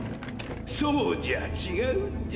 そうじゃ違うんじゃ。